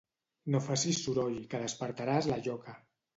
No facis soroll, que despertaràs la lloca.